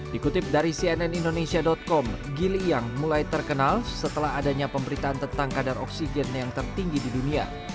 dikutip dari cnn indonesia com giliyang mulai terkenal setelah adanya pemberitaan tentang kadar oksigen yang tertinggi di dunia